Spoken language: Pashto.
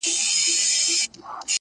چي قاضي ته چا ورکړئ دا فرمان دی-